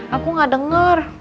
aku gak denger